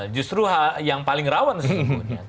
justru yang paling rawan sebetulnya